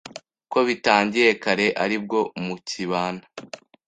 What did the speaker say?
Ko bitangiye kare aribwo mukibana